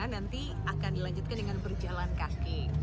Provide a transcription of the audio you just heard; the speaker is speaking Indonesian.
nanti akan dilanjutkan dengan berjalan kaki